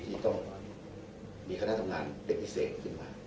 ที่ต้องมีคณะทำงานเป็นพิเศษขึ้นมา